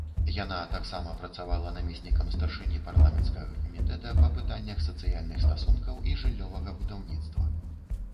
Яна таксама працавала намеснікам старшыні парламенцкага камітэта па пытаннях сацыяльных стасункаў і жыллёвага будаўніцтва.